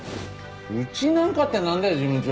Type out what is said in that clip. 「うちなんか」ってなんだよ事務長。